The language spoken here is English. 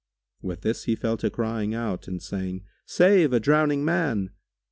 With this he fell to crying out and saying, "Save a drowning man!"